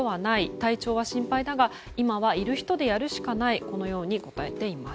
体調は心配だが今はいる人でやるしかないと答えています。